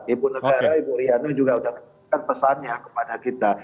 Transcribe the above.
ibu negara ibu riano juga sudah memberikan pesannya kepada kita